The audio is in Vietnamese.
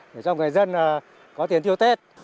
để cho người dân có tiền tiêu tết